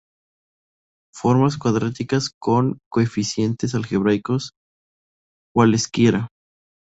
Formas cuadráticas con coeficientes algebraicos cualesquiera.